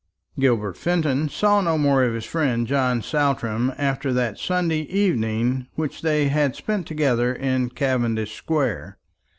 Gilbert Fenton saw no more of his friend John Saltram after that Sunday evening which they had spent together in Cavendish square.